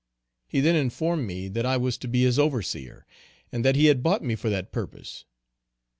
He then informed me that I was to be his overseer, and that he had bought me for that purpose.